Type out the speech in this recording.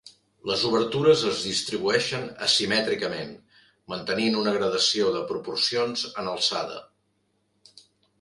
Les obertures es distribueixen asimètricament, mantenint una gradació de proporcions en alçada.